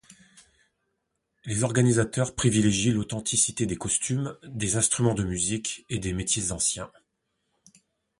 Les organisateurs privilégient l'authenticité des costumes, des instruments de musique et des métiers anciens.